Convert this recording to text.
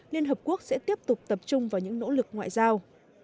liên hợp quốc sẽ tiếp tục tập trung vào những nỗ lực ngoại giao